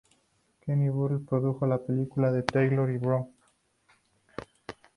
Kenny Burke produjo la película con Taylor y Brown.